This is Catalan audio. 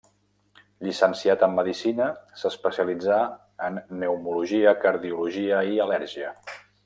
Llicenciat en medicina, s'especialitzà en pneumologia, cardiologia i al·lèrgia.